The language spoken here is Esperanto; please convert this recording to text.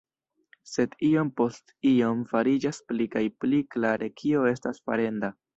Sed iom post iom fariĝas pli kaj pli klare kio estas farenda.